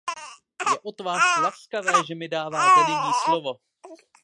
Je od vás laskavé, že mi dáváte nyní slovo.